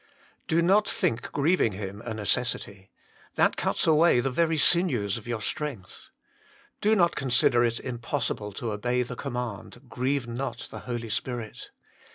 Do not think grieving Him a necessity: that cuts away the very sinews of your strength. Do not consider it impossible to obey the command, " Grieve not the Holy Spirit."